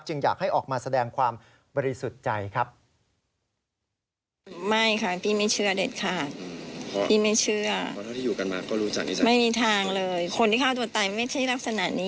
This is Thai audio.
อยากให้ออกมาแสดงความบริสุทธิ์ใจครับ